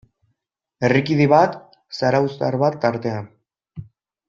Herrikide bat, zarauztar bat tartean.